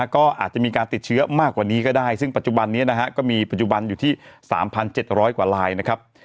ก็อาจจะมีการติดเชื้อมากกว่านี้ก็ได้ซึ่งปัจจุบันนี้นะฮะก็มีปัจจุบันอยู่ที่๓๗๐๐กว่าลายนะครับ